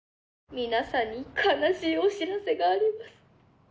皆さんに悲しいお知らせがあります。